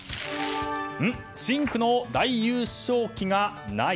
深紅の大優勝旗がない。